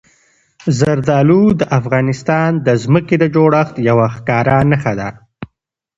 زردالو د افغانستان د ځمکې د جوړښت یوه ښکاره نښه ده.